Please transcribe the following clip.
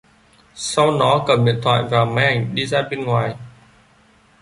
Sau nó cầm điện thoại và máy ảnh đi ra bên ngoài